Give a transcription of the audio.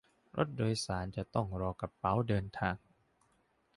รถโดยสารจะต้องรอกระเป๋าเดินทาง